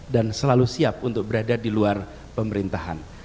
dan selalu siap untuk berada di luar pemerintahan